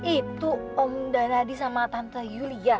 itu om dan adi sama tante yulia